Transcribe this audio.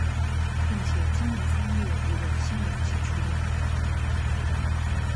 並且今年三月也有新聞指出